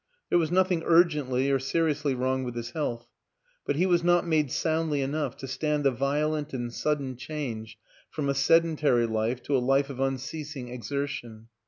There was nothing ur gently or seriously wrong with his health; but he was not made soundly enough to stand the violent and sudden change from a sedentary life to a life of unceasing exertion.